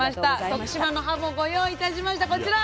徳島のはもご用意いたしましたこちら。